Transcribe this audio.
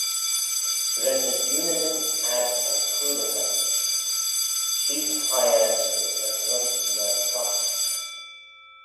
Ren ny diunidyn ad y choodaghey: sheese hie ad gys y ghrunt myr clagh.